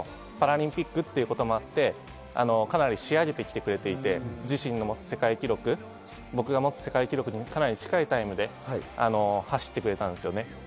ただマーティン選手もパラリンピックということもあってかなり仕上げてきてくれていて、自身の持つ世界記録に近いタイムで走ってくれたんですよね。